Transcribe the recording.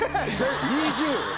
２０。